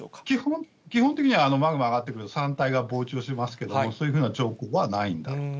基本的には、マグマが上がってくると、山体が膨張しますけれども、そういうふうな兆候はないんだと。